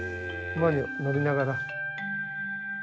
馬に乗りながら。